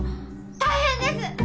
大変です！